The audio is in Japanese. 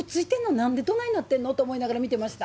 なんで、どないなってんのと思って見てました。